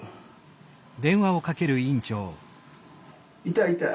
痛い痛い？